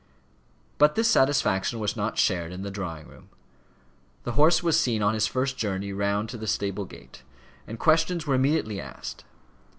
But this satisfaction was not shared in the drawing room. The horse was seen on his first journey round to the stable gate, and questions were immediately asked.